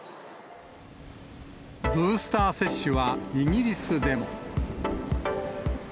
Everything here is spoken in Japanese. ブースター接種はイギリスでも。